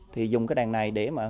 thì dùng cái đàn này để mà